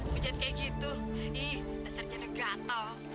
bujat kayak gitu ih dasar jadah gatel